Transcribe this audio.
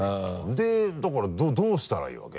でだからどうしたらいいわけ？